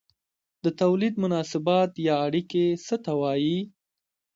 د توليد مناسبات یا اړیکې څه ته وايي؟